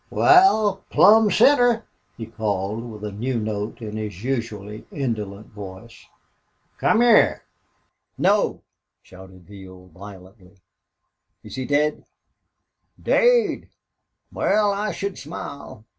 "Wal, plumb center!" he called, with a new note in his usually indolent voice. "Come heah!" "No!" shouted Neale, violently. "Is he dead?" "Daid! Wal, I should smile....